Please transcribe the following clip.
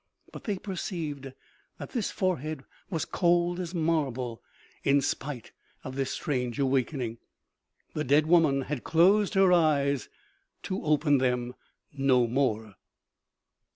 But they perceived that this forehead was cold as marble, in spite of this strange awakening. The dead woman had closed her eyes, to open them no more.